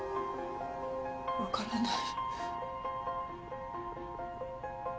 わからない。